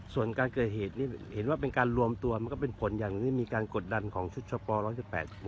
ส่วนการเกิดเหตุนี้เห็นว่าเป็นการรวมตัวมันก็เป็นผลอย่างนี้มีการกดดันของชุดชะป๑๑๘